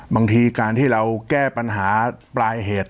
บางทีการที่เราแก้ปัญหาปลายเหตุ